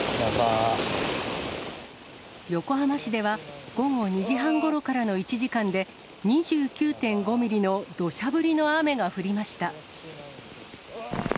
横浜市では、午後２時半ごろからの１時間で、２９．５ミリのどしゃ降りの雨が降りました。